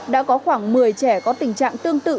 đã có khoảng một mươi trẻ có tình trạng tương tự